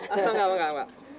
enggak enggak enggak